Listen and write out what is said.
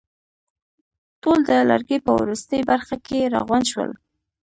ټول د لرګي په وروستۍ برخه کې راغونډ شول.